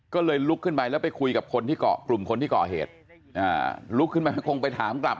ก็เลยลุกขึ้นไปแล้วไปคุยกับคนที่เกาะกลุ่มคนที่ก่อเหตุลุกขึ้นมาคงไปถามกลับ